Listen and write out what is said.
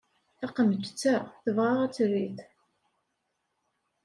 Taqemǧet-a tebɣa ad trid.